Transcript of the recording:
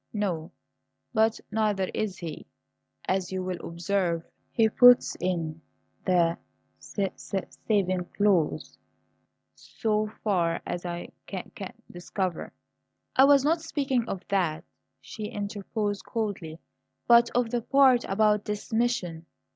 No; but neither is he. As you will observe, he puts in the s s saving clause: 'So far as I c can discover "I was not speaking of that," she interposed coldly, "but of the part about this mission."